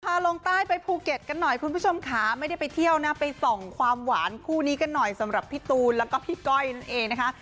ลงใต้ไปภูเก็ตกันหน่อยคุณผู้ชมค่ะไม่ได้ไปเที่ยวนะไปส่องความหวานคู่นี้กันหน่อยสำหรับพี่ตูนแล้วก็พี่ก้อยนั่นเองนะคะ